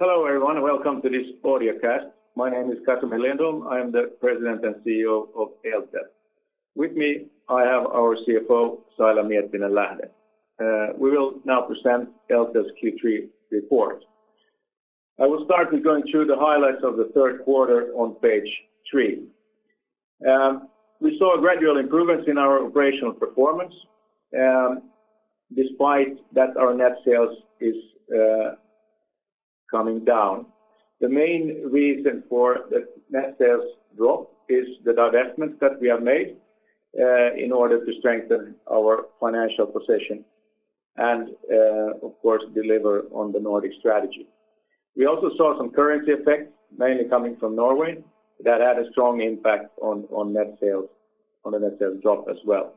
Hello, everyone. Welcome to this podcast. My name is Casimir Lindholm. I am the President and CEO of Eltel. With me, I have our CFO, Saila Miettinen-Lähde. We will now present Eltel's Q3 report. I will start with going through the highlights of the third quarter on page three. We saw gradual improvements in our operational performance, despite that our net sales is coming down. The main reason for the net sales drop is the divestments that we have made in order to strengthen our financial position and of course, deliver on the Nordic strategy. We also saw some currency effects, mainly coming from Norway, that had a strong impact on the net sales drop as well.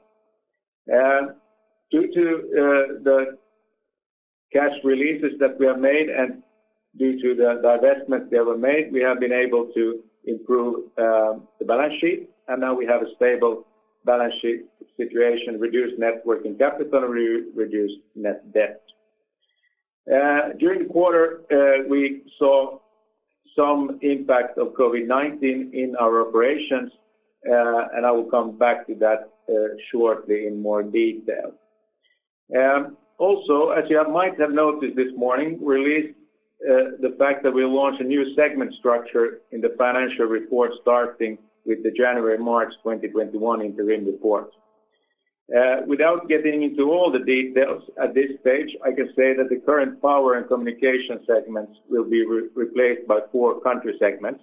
Due to the cash releases that we have made and due to the divestments that were made, we have been able to improve the balance sheet, and now we have a stable balance sheet situation, reduced net working capital, and reduced net debt. During the quarter, we saw some impact of COVID-19 in our operations, and I will come back to that shortly in more detail. Also, as you might have noticed this morning, we released the fact that we'll launch a new segment structure in the financial report starting with the January-March 2021 interim report. Without getting into all the details at this stage, I can say that the current power and communication segments will be replaced by four country segments.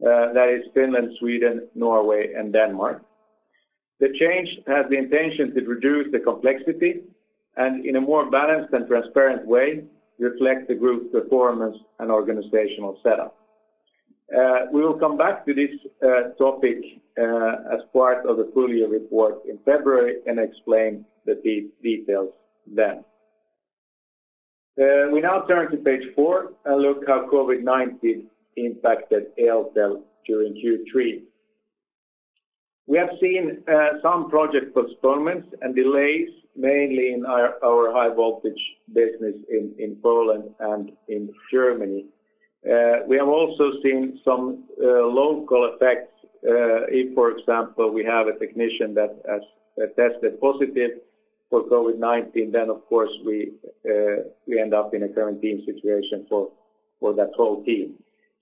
That is Finland, Sweden, Norway, and Denmark. The change has the intention to reduce the complexity and in a more balanced and transparent way, reflect the group's performance and organizational setup. We will come back to this topic as part of the full-year report in February and explain the details then. We now turn to page four and look how COVID-19 impacted Eltel during Q3. We have seen some project postponements and delays, mainly in our high-voltage business in Poland and in Germany. We have also seen some local effects. If, for example, we have a technician that has tested positive for COVID-19, of course, we end up in a quarantine situation for that whole team.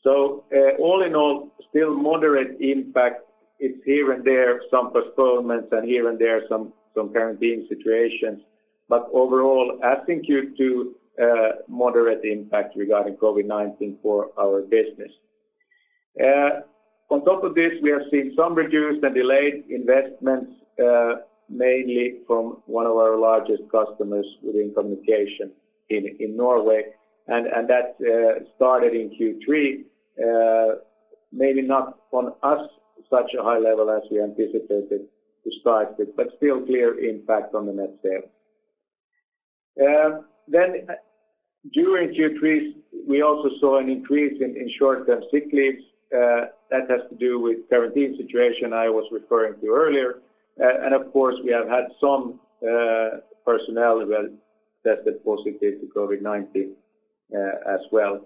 All in all, still moderate impact. It's here and there some postponements and here and there some quarantine situations. Overall, I think Q3 moderate impact regarding COVID-19 for our business. On top of this, we have seen some reduced and delayed investments, mainly from one of our largest customers within communication in Norway, and that started in Q3. Maybe not on us such a high level as we anticipated despite it, but still clear impact on the net sales. During Q3, we also saw an increase in short-term sick leaves. That has to do with quarantine situation I was referring to earlier. Of course, we have had some personnel that tested positive to COVID-19 as well.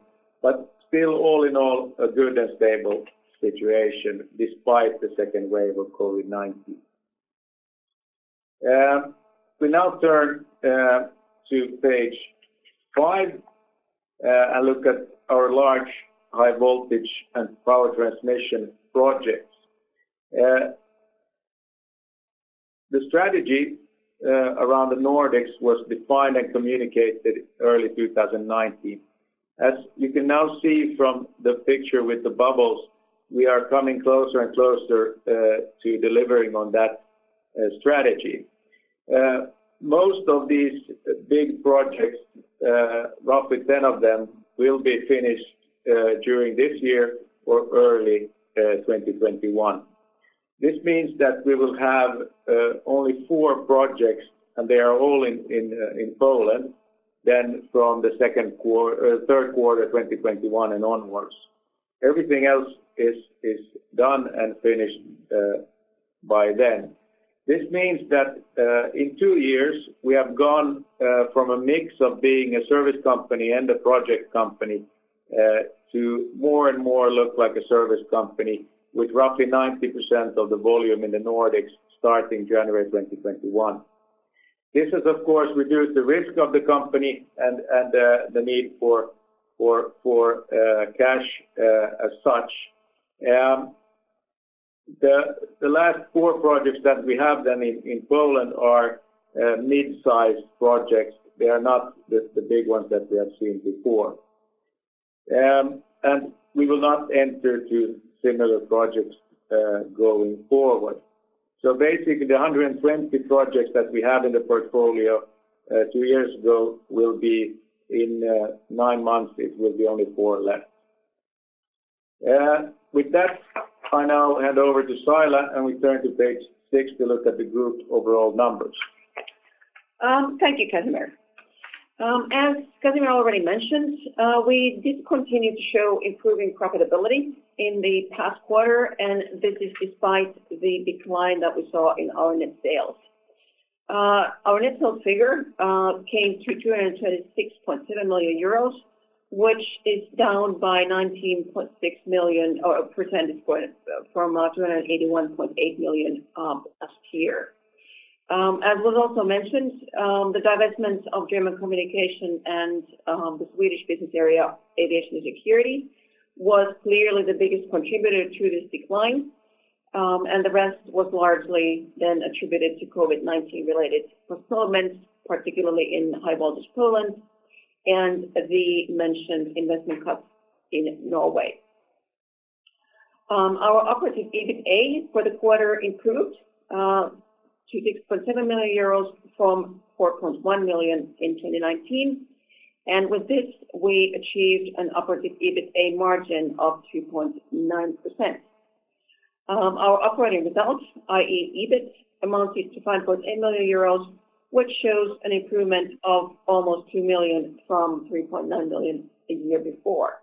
Still, all in all, a good and stable situation despite the second wave of COVID-19. We now turn to page five, and look at our large high voltage and power transmission projects. The strategy around the Nordics was defined and communicated early 2019. As you can now see from the picture with the bubbles, we are coming closer and closer to delivering on that strategy. Most of these big projects, roughly 10 of them, will be finished during this year or early 2021. This means that we will have only four projects, and they are all in Poland, then from the third quarter 2021 and onwards. Everything else is done and finished by then. This means that in two years, we have gone from a mix of being a service company and a project company to more and more look like a service company with roughly 90% of the volume in the Nordics starting January 2021. This has, of course, reduced the risk of the company and the need for cash as such. The last four projects that we have then in Poland are mid-size projects. They are not the big ones that we have seen before. We will not enter to similar projects going forward. Basically, the 120 projects that we had in the portfolio two years ago will be in nine months, it will be only four left. With that, I now hand over to Saila. We turn to page six to look at the group's overall numbers. Thank you, Casimir. As Casimir already mentioned, we did continue to show improving profitability in the past quarter, and this is despite the decline that we saw in our net sales. Our net sales figure came to 226.7 million euros, which is down by 19.6% from 281.8 million last year. As was also mentioned, the divestment of German communication and the Swedish business area, Aviation & Security, was clearly the biggest contributor to this decline, and the rest was largely then attributed to COVID-19 related performance, particularly in high voltage Poland and the mentioned investment cuts in Norway. Our operating EBITA for the quarter improved to 6.7 million euros from 4.1 million in 2019, and with this, we achieved an operating EBITA margin of 2.9%. Our operating results, i.e., EBIT, amounted to 5.8 million euros, which shows an improvement of almost 2 million from 3.9 million a year before.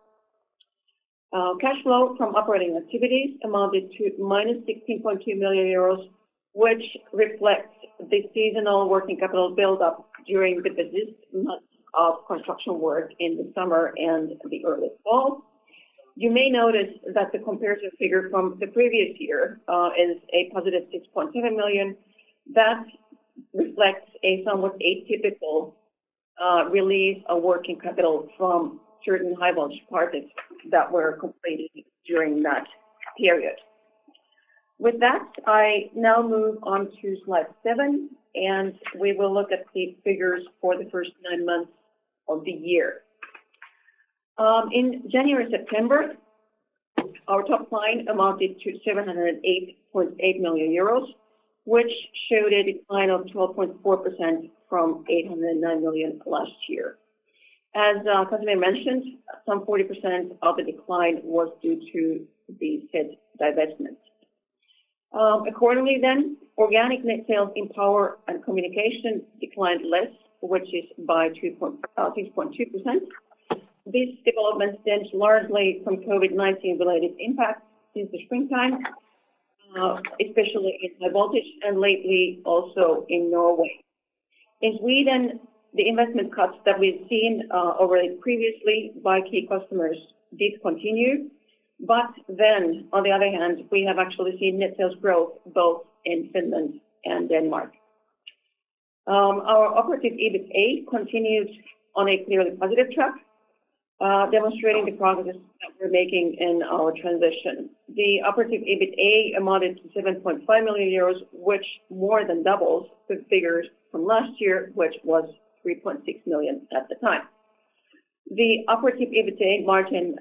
Cash flow from operating activities amounted to -16.2 million euros, which reflects the seasonal working capital buildup during the busiest months of construction work in the summer and the early fall. You may notice that the comparative figure from the previous year is a positive 6.7 million. That reflects a somewhat atypical release of working capital from certain high voltage projects that were completed during that period. With that, I now move on to slide seven, and we will look at the figures for the first nine months of the year. In January-September, our top line amounted to 708.8 million euros, which showed a decline of 12.4% from 809 million last year. As Casimir mentioned, some 40% of the decline was due to the said divestment. Accordingly then, organic net sales in power and communication declined less, which is by 6.2%. This development stems largely from COVID-19 related impact since the springtime, especially in high voltage and lately also in Norway. In Sweden, the investment cuts that we've seen already previously by key customers did continue, but then on the other hand, we have actually seen net sales growth both in Finland and Denmark. Our operating EBITA continues on a clearly positive track, demonstrating the progress that we're making in our transition. The operating EBITA amounted to 7.5 million euros, which more than doubles the figures from last year, which was 3.6 million at the time. The operating EBITA margin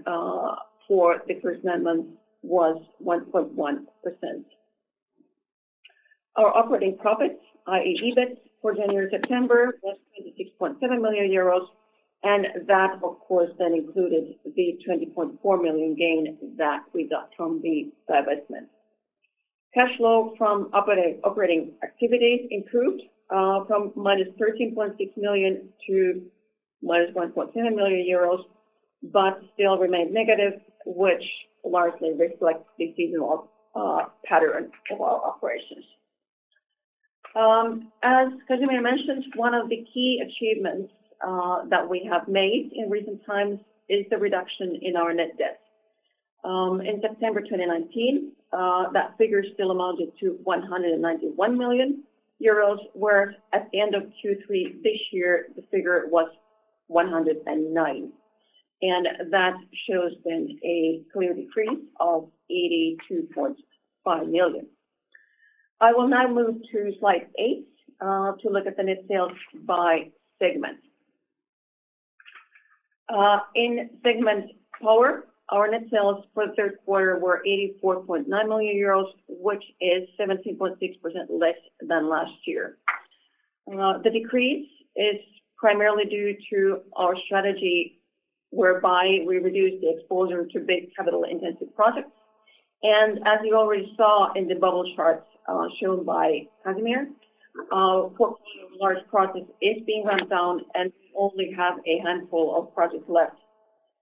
for the first nine months was 1.1%. Our operating profits, i.e., EBIT, for January-September was 26.7 million euros, and that, of course, then included the 20.4 million gain that we got from the divestment. Cash flow from operating activities improved from -13.6 million to -1.7 million euros, but still remained negative, which largely reflects the seasonal pattern of our operations. As Casimir mentioned, one of the key achievements that we have made in recent times is the reduction in our net debt. In September 2019, that figure still amounted to 191 million euros, where at the end of Q3 this year, the figure was 109 million. That shows then a clear decrease of 82.5 million. I will now move to slide eight to look at the net sales by segment. In segment power, our net sales for the third quarter were 84.9 million euros, which is 17.6% less than last year. The decrease is primarily due to our strategy whereby we reduce the exposure to big capital-intensive projects. As you already saw in the bubble charts shown by Casimir, our portfolio of large projects is being ramped down, and we only have a handful of projects left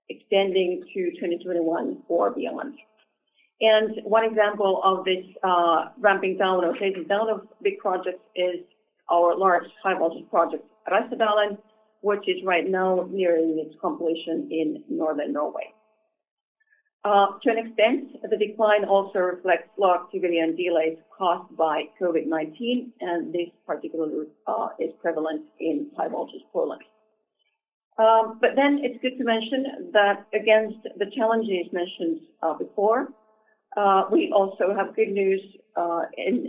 extending to 2021 or beyond. One example of this ramping down or taking down of big projects is our large high voltage project, Reisadalen, which is right now nearing its completion in Northern Norway. To an extent, the decline also reflects low activity and delays caused by COVID-19, and this particularly is prevalent in high voltage Poland. It's good to mention that against the challenges mentioned before, we also have good news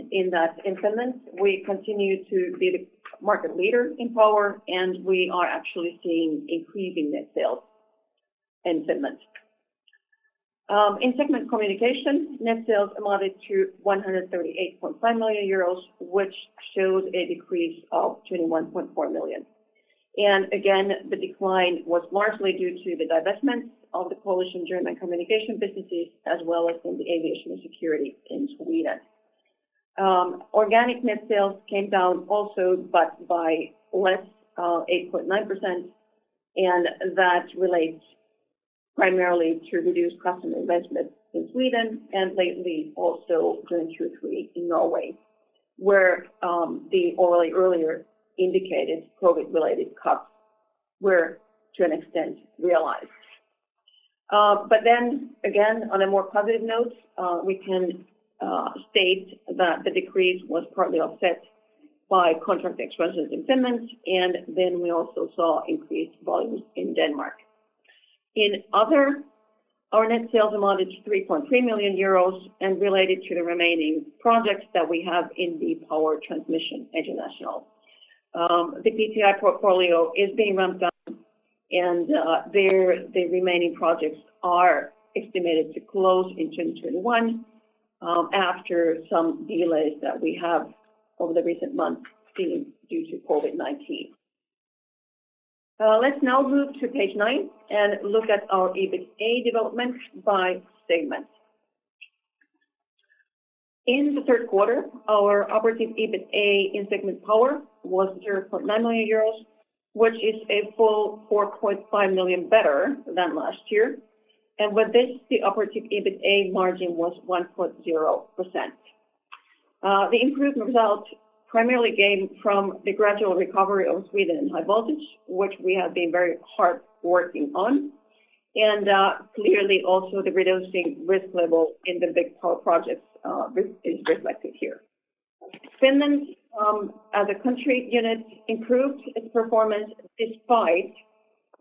in that in Finland, we continue to be the market leader in power, and we are actually seeing increasing net sales in Finland. In segment communication, net sales amounted to 138.5 million euros, which shows a decrease of 21.4 million. Again, the decline was largely due to the divestment of the coalition German communication business, as well as in the Aviation & Security in Sweden. Organic net sales came down also, but by less, 8.9%, and that relates primarily through reduced customer investments in Sweden, and lately also during Q3 in Norway, where the earlier indicated COVID-19-related cuts were, to an extent, realized. Again, on a more positive note, we can state that the decrease was partly offset by contract extensions in Finland, and then we also saw increased volumes in Denmark. In other, our net sales amounted to 3.3 million euros and related to the remaining projects that we have in the Power Transmission International. The PTI portfolio is being ramped down, and the remaining projects are estimated to close in 2021 after some delays that we have over the recent months been due to COVID-19. Let's now move to page nine and look at our EBITA development by segment. In the third quarter, our operative EBITA in segment Power was 0.9 million euros, which is a full 4.5 million better than last year. With this, the operative EBITA margin was 1.0%. The improved results primarily gained from the gradual recovery of Sweden High Voltage, which we have been very hard working on, and clearly also the reducing risk level in the big Power projects is reflected here. Finland, as a country unit, improved its performance despite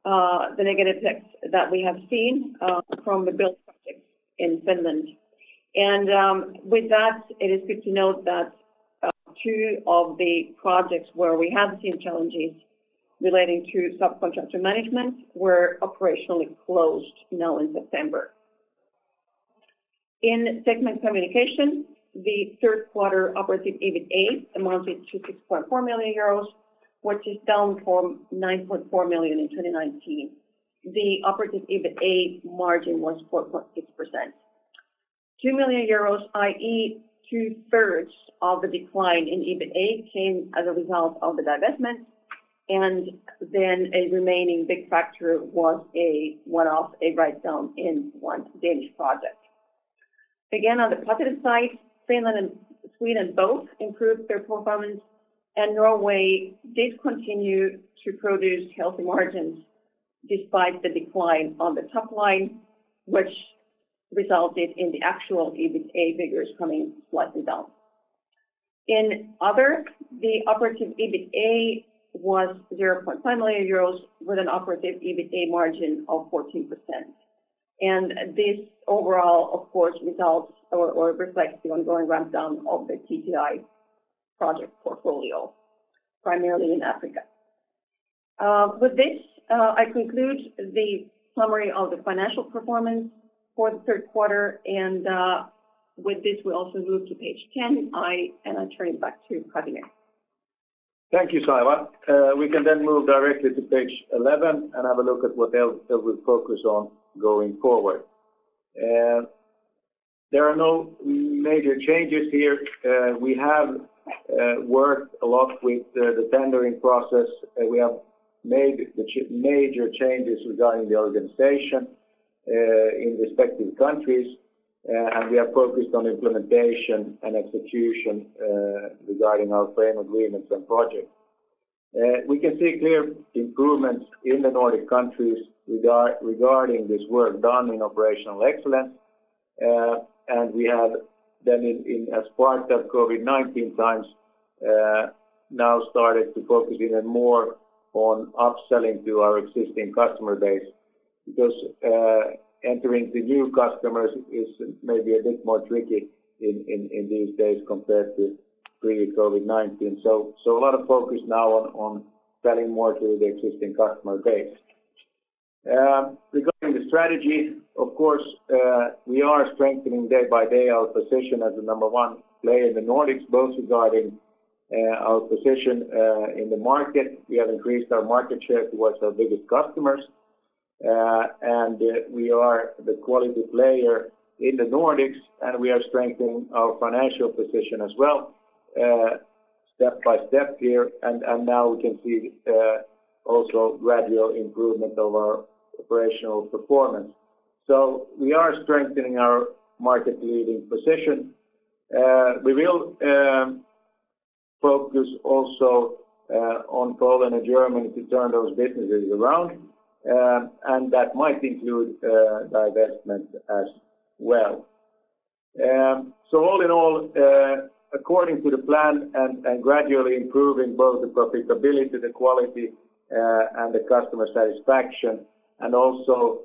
the negative effects that we have seen from the build projects in Finland. With that, it is good to note that two of the projects where we have seen challenges relating to subcontractor management were operationally closed now in September. In segment Communication, the third quarter operative EBITA amounted to 6.4 million euros, which is down from 9.4 million in 2019. The operative EBITA margin was 4.6%. 2 million euros, i.e., two-thirds of the decline in EBITA came as a result of the divestment, a remaining big factor was a one-off, a write-down in one Danish project. Again, on the positive side, Finland and Sweden both improved their performance, Norway did continue to produce healthy margins despite the decline on the top line, which resulted in the actual EBITA figures coming slightly down. In Other, the operative EBITA was 0.5 million euros with an operative EBITA margin of 14%. This overall, of course, results or reflects the ongoing ramp down of the PTI project portfolio, primarily in Africa. With this, I conclude the summary of the financial performance for the third quarter. With this, we also move to page 10, and I turn it back to Casimir Lindholm. Thank you, Saila. We can move directly to page 11 and have a look at what Eltel will focus on going forward. There are no major changes here. We have worked a lot with the tendering process. We have made the major changes regarding the organization in respective countries, and we are focused on implementation and execution regarding our frame agreements and projects. We can see clear improvements in the Nordic countries regarding this work done in operational excellence. We have then in, as part of COVID-19 times, now started to focus even more on upselling to our existing customer base, because entering the new customers is maybe a bit more tricky in these days compared to pre-COVID-19. A lot of focus now on selling more to the existing customer base. Regarding the strategy, of course, we are strengthening day by day our position as the number one player in the Nordics, both regarding our position in the market. We have increased our market share towards our biggest customers, and we are the quality player in the Nordics, and we are strengthening our financial position as well step by step here. Now we can see also gradual improvement of our operational performance. We are strengthening our market-leading position. We will focus also on Poland and Germany to turn those businesses around, and that might include divestment as well. All in all, according to the plan and gradually improving both the profitability, the quality, and the customer satisfaction. Also,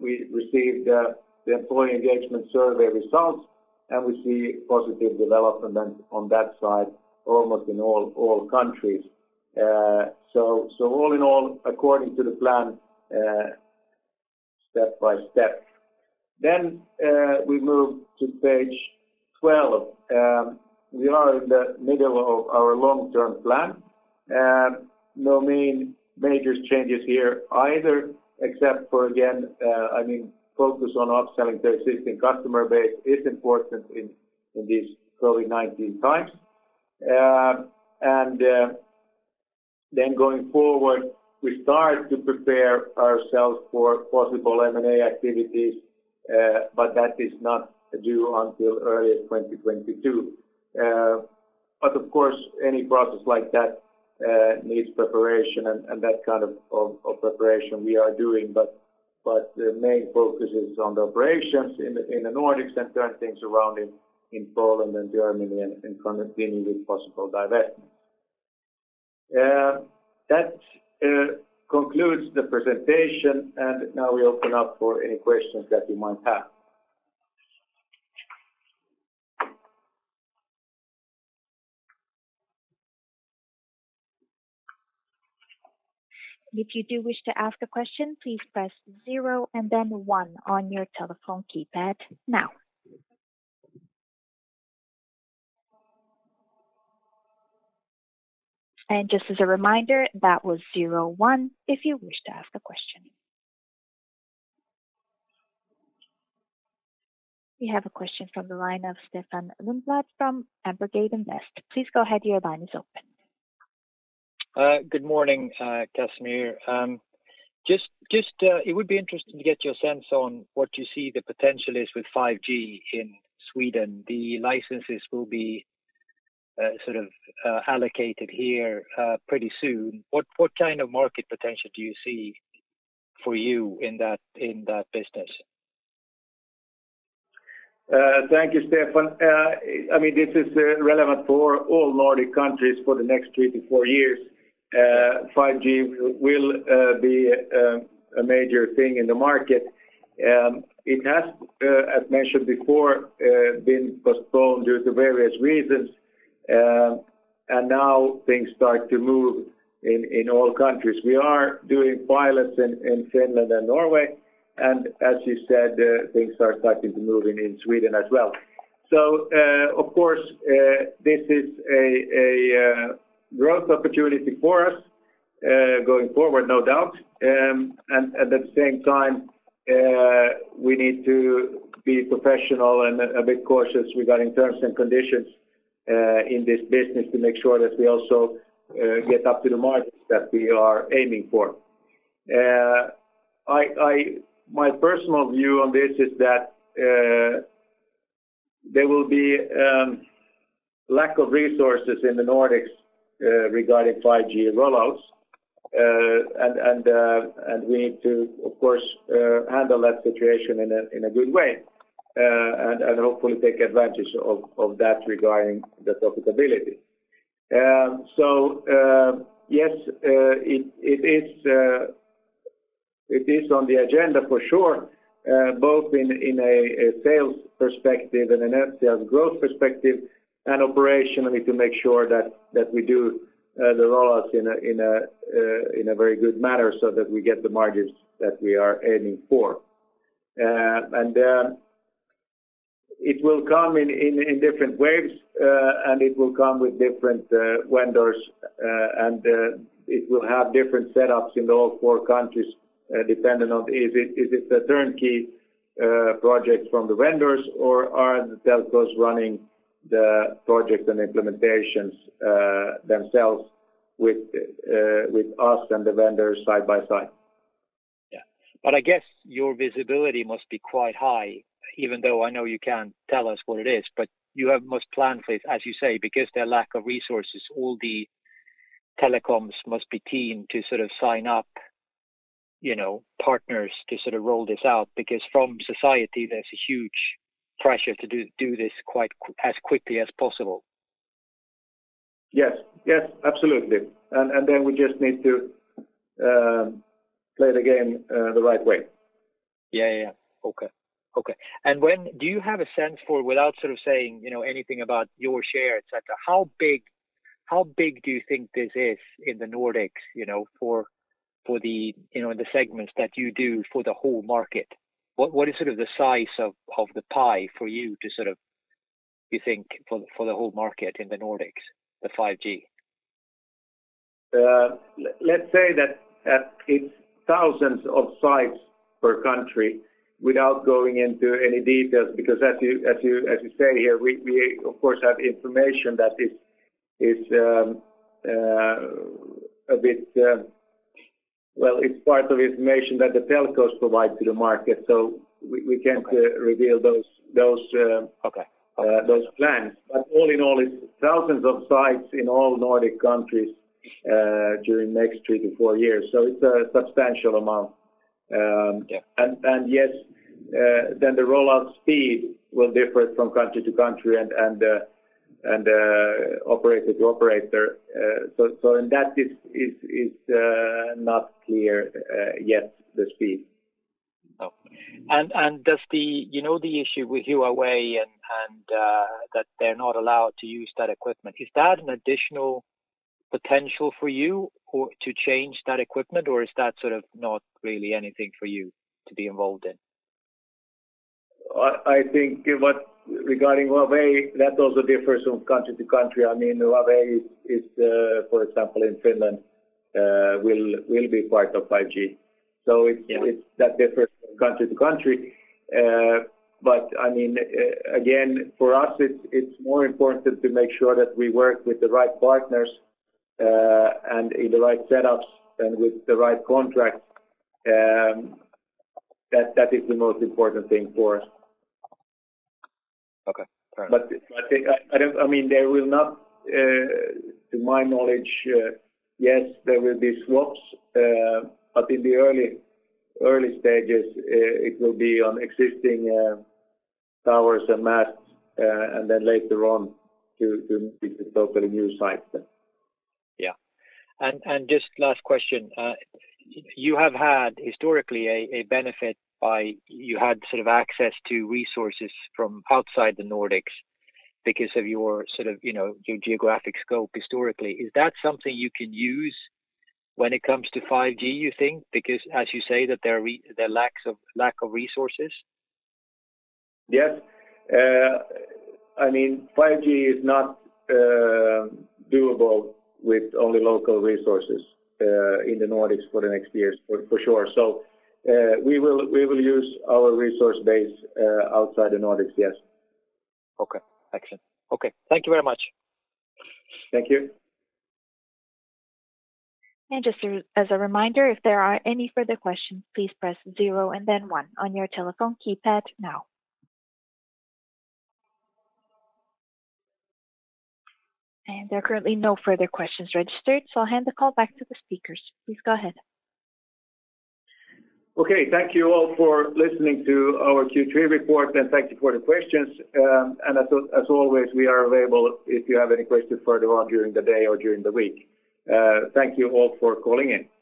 we received the employee engagement survey results, and we see positive development on that side almost in all countries. All in all, according to the plan, step by step. We move to page 12. We are in the middle of our long-term plan. No main major changes here either, except for, again, focus on upselling to existing customer base is important in these COVID-19 times. Going forward, we start to prepare ourselves for possible M&A activities, but that is not due until early 2022. Of course, any process like that needs preparation, and that kind of preparation we are doing. The main focus is on the operations in the Nordics and turn things around in Poland and Germany and continue with possible divestments. That concludes the presentation, and now we open up for any questions that you might have. If you do wish to ask a question, please press zero and then one on your telephone keypad now. Just as a reminder, that was zero one if you wish to ask a question. We have a question from the line of Stefan Lundborg from ABG Sundal Collier. Please go ahead. Your line is open. Good morning, Casimir. It would be interesting to get your sense on what you see the potential is with 5G in Sweden. The licenses will be sort of allocated here pretty soon. What kind of market potential do you see for you in that business? Thank you, Stefan. This is relevant for all Nordic countries for the next three to four years. 5G will be a major thing in the market. It has, as mentioned before, been postponed due to various reasons, and now things start to move in all countries. We are doing pilots in Finland and Norway, and as you said, things are starting to move in Sweden as well. Of course, this is a growth opportunity for us going forward, no doubt. At the same time, we need to be professional and a bit cautious regarding terms and conditions in this business to make sure that we also get up to the markets that we are aiming for. My personal view on this is that there will be lack of resources in the Nordics regarding 5G rollouts. We need to, of course, handle that situation in a good way, and hopefully take advantage of that regarding the profitability. Yes, it is on the agenda for sure both in a sales perspective and a net sales growth perspective and operationally to make sure that we do the rollouts in a very good manner so that we get the margins that we are aiming for. It will come in different waves, and it will come with different vendors, and it will have different setups in all four countries, dependent on is it a turnkey project from the vendors, or are the telcos running the projects and implementations themselves with us and the vendors side by side? Yeah. I guess your visibility must be quite high, even though I know you can't tell us what it is, you must plan for it, as you say, because their lack of resources, all the telecoms must be keen to sort of sign up partners to sort of roll this out, because from society, there's a huge pressure to do this as quickly as possible. Yes. Absolutely. We just need to play the game the right way. Yeah. Okay. Do you have a sense for, without sort of saying anything about your share, et cetera, how big do you think this is in the Nordics, in the segments that you do for the whole market? What is sort of the size of the pie for you to sort of, you think, for the whole market in the Nordics, the 5G? Let's say that it's thousands of sites per country without going into any details, because as you say here, we, of course, have information. Well, it's part of information that the telcos provide to the market, so we can't reveal. Okay those plans. All in all, it's thousands of sites in all Nordic countries during next three to four years, so it's a substantial amount. Yeah. Yes, then the rollout speed will differ from country to country and operator to operator. In that, it is not clear yet the speed. No. Does the issue with Huawei and that they're not allowed to use that equipment, is that an additional potential for you or to change that equipment, or is that sort of not really anything for you to be involved in? I think regarding Huawei, that also differs from country to country. Huawei, for example, in Finland, will be part of 5G. It's that differs country to country. Again, for us, it's more important to make sure that we work with the right partners and in the right setups and with the right contracts. That is the most important thing for us. Okay. All right. To my knowledge, yes, there will be swaps, but in the early stages, it will be on existing towers and masts, and then later on to the totally new sites then. Yeah. Just last question. You have had, historically, a benefit by, you had sort of access to resources from outside the Nordics because of your geographic scope historically. Is that something you can use when it comes to 5G, you think? As you say, that there are lack of resources? Yes. 5G is not doable with only local resources in the Nordics for the next years, for sure. We will use our resource base outside the Nordics, yes. Okay. Excellent. Okay. Thank you very much. Thank you. Just as a reminder, if there are any further questions, please press zero and then one on your telephone keypad now. There are currently no further questions registered, so I'll hand the call back to the speakers. Please go ahead. Okay. Thank you all for listening to our Q3 report, thank you for the questions. As always, we are available if you have any questions further on during the day or during the week. Thank you all for calling in.